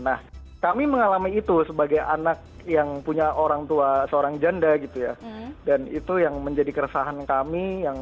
nah kami mengalami itu sebagai anak yang punya orang tua seorang janda gitu ya dan itu yang menjadi keresahan kami yang